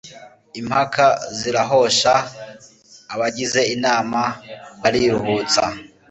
Impaka zirahosha, abagize inama bariruhutsa.